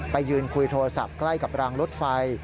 ไปยืนคุยโทรศัพท์ใกล้กับรางรถไฟ